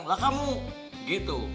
lah kamu gitu